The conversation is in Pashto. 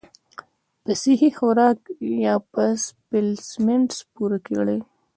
پۀ سهي خوراک يا پۀ سپليمنټس پوره کړي -